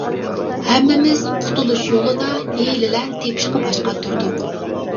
ھەممىمىز قۇتۇلۇش يولىدا ھىيلىلەر تېپىشقا باش قاتۇردۇق.